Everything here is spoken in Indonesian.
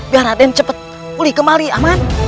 biar raden cepat pulih kembali aman